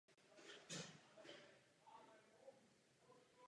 Obvykle ji provází teplota a bolest hlavy.